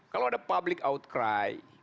kalau ada public outcry